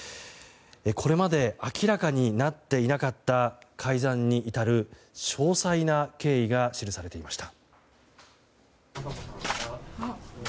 これまで明らかになっていなかった改ざんに至る詳細な経緯が記されていました。